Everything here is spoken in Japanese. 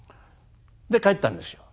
で帰ったんですよ。